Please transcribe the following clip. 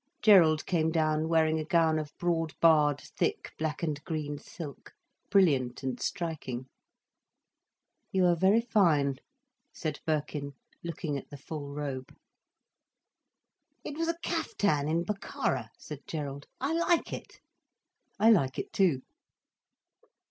Gerald came down wearing a gown of broad barred, thick black and green silk, brilliant and striking. "You are very fine," said Birkin, looking at the full robe. "It was a caftan in Bokhara," said Gerald. "I like it." "I like it too."